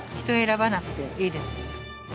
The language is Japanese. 人選ばなくていいですね。